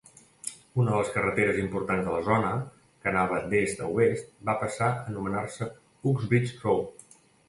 Una de les carreteres importants de la zona, que anava d'est a oest, va passar a anomenar-se Uxbridge Road.